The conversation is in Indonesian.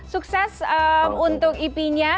sukses untuk ipnya